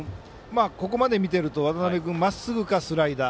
ここまで見ていると渡邉君はまっすぐとスライダー。